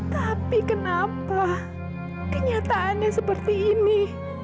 tapi kenapa kenyataannya seperti ini